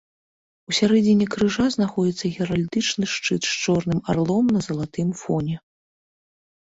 У сярэдзіне крыжа знаходзіцца геральдычны шчыт з чорным арлом на залатым фоне.